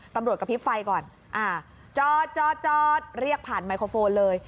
ตำรวจกระพริบไฟก่อนอ่าจอดจอดเรียกผ่านไมโครโฟนเลย